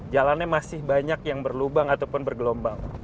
jalannya masih banyak yang berlubang ataupun bergelombang